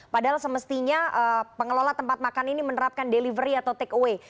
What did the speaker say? padahal semestinya pengelola tempat makan ini menerapkan delivery atau take away